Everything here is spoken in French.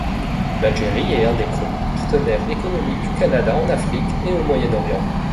L’Algérie est un des premiers partenaires économiques du Canada en Afrique et au Moyen-Orient.